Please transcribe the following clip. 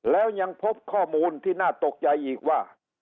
แล้วยังพบข้อมูลที่น่าตกใจอีกว่า